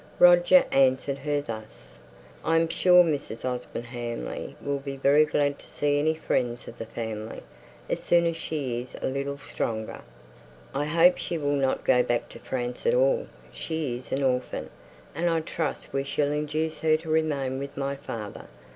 Roger answered her thus: "I am sure Mrs. Osborne Hamley will be very glad to see any friends of the family, as soon as she is a little stronger. I hope she will not go back to France at all. She is an orphan, and I trust we shall induce her to remain with my father.